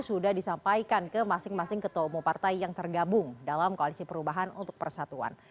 sudah disampaikan ke masing masing ketua umum partai yang tergabung dalam koalisi perubahan untuk persatuan